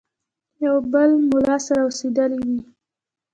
یو بل مُلا سره اوسېدلی وي.